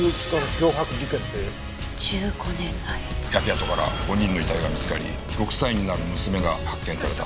焼け跡から５人の遺体が見つかり６歳になる娘が発見された。